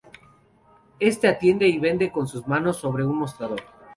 Éste atiende y vende con sus manos sobre un mostrador.